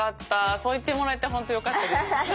そう言ってもらえてほんとよかったです。